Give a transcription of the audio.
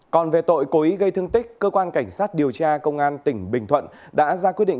còn về tội cố ý gây thương tích cơ quan cảnh sát điều tra công an tỉnh bình thuận đã ra quyết định